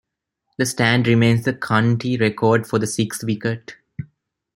The stand remains the county record for the sixth wicket.